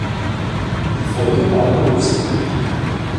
Die Folge war ein Berufsverbot.